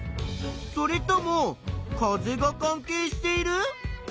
それとも風が関係している？